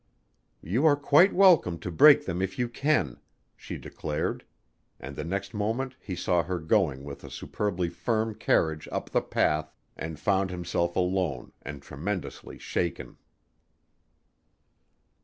"You are quite welcome to break them if you can," she declared, and the next moment he saw her going with a superbly firm carriage up the path and found himself alone and tremendously shaken.